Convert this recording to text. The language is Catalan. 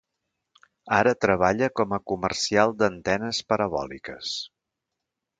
Ara treballa com a comercial d'antenes parabòliques.